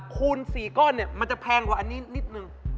คูณ๔ก้อนเนี่ยมันจะแพงกว่าอันนี้นิดนึง